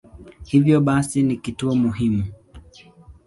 Hivyo basi ni kituo muhimu.